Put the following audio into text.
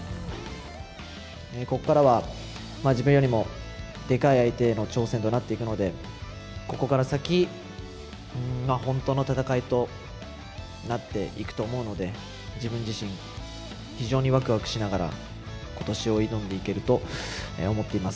ここからは、自分よりもでかい相手への挑戦となっていくので、ここから先、本当の戦いとなっていくと思うので、自分自身、非常にわくわくしながら、ことしを挑んでいけると思っています。